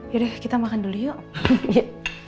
yaudah deh kita makan dulu yuk